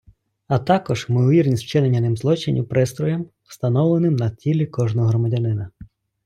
А також ймовірність вчинення ним злочинів пристроєм, встановленим на тілі кожного громадянина.